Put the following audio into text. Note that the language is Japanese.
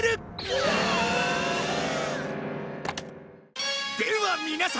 うわあ！では皆様。